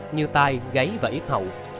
như tai gáy và ít hậu